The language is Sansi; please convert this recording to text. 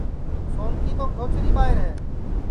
سونکی تو کھوچری ٻائیر ہے